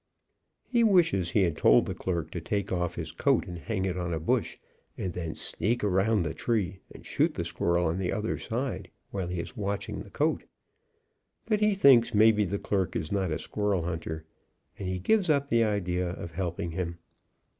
He wishes he had told the clerk to take off his coat and hang it on a bush, and then sneak around the tree and shoot the squirrel on the other side, while he is watching the coat, but he thinks maybe the clerk is not a squirrel hunter, and he gives up the idea of helping him.